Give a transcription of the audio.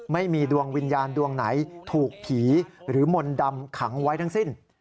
ไม่มีดวงวิญญาณดวงไหนถูกผีหรือมนต์ดำขังไว้ทั้งสิ้น